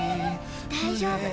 大丈夫。